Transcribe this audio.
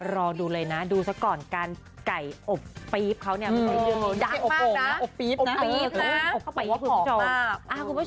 รอดูเลยนะดูสักก่อนการไก่อบปี๊บเค้าเนี่ยมันเคยดังมากนะอบปี๊บนะอบปี๊บนะเข้าไปให้หอมมาก